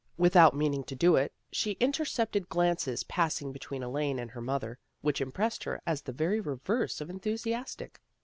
Without meaning to do it she intercepted glances pass ing between Elaine and her mother, which impressed her as the very reverse of enthu siastic.